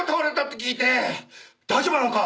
「大丈夫なのか？